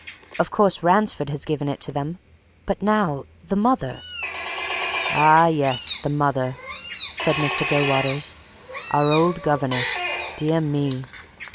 Of course, Ransford has given it to them! But now the mother?" "Ah, yes, the mother!" said Mr. Gilwaters. "Our old governess! Dear me!"